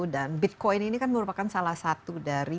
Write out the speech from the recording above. dan bitcoin ini kan merupakan salah satu dari